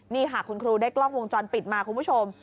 นี่ค่ะคุณครูได้กล้องวงจรปิดมาคุณผู้ชม